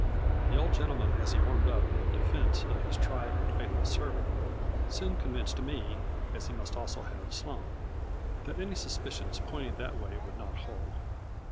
" The old gentleman, as he warmed up in de fense of his tried and faithful servant, soon con vinced me, as he must also have Sloane, that any suspicions pointing that way would not hold.